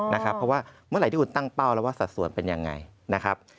เพราะว่าเมื่อไหร่ที่คุณตั้งเป้าแล้วว่าสัดส่วนเป็นยังไงนะครับ